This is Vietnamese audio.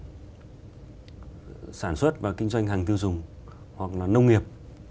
sản xuất và kinh doanh hàng tiêu dùng hoặc là nông nghiệp